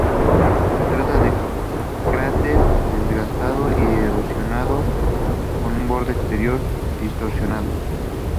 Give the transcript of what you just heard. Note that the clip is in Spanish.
Se trata de un cráter desgastado y erosionado, con un borde exterior distorsionado.